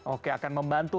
oke akan membantu